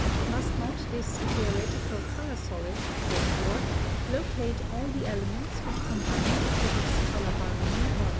(154) Must not this theoretical color solid, therefore, locate all the elements which combine to produce color harmony or color discord?